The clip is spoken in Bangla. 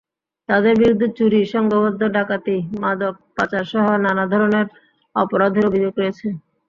তাঁদের বিরুদ্ধে চুরি, সংঘবদ্ধ ডাকাতি, মাদক পাচারসহ নানা ধরনের অপরাধের অভিযোগ রয়েছে।